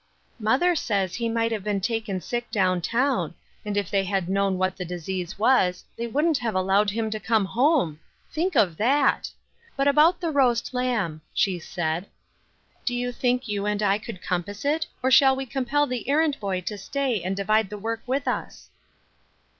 " Mother says he might have been taken sick down town, and if they had known what the disease was they wouldn't have allowed him to come home. Think of that! But about the roast lamb," she said. " Do you think jom and I could compass it, or shall we compel the errand boy to stay and divide the work with us?"